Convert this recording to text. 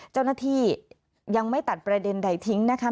เจ้าหน้าที่ยังไม่ตัดประเด็นใดทิ้งนะคะ